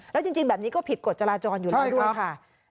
แล้วจริงแบบนี้ก็ผิดกฎจราจรอยู่แล้วด้วยค่ะ